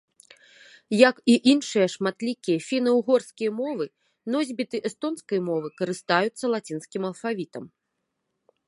Як і іншыя шматлікія фіна-ўгорскія мовы, носьбіты эстонскай мовы карыстаюцца лацінскім алфавітам.